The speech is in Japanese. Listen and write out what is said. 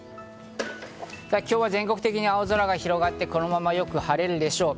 今日は全国的に青空が広がって、このままよく晴れるでしょう。